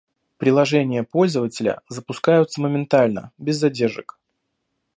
Приложения пользователя запускаются моментально, без задержек